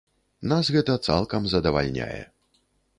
Нас гэта цалкам задавальняе.